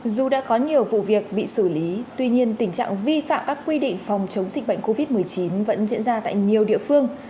dù đã có nhiều vụ việc bị xử lý tuy nhiên tình trạng vi phạm các quy định phòng chống dịch bệnh covid một mươi chín vẫn diễn ra tại nhiều địa phương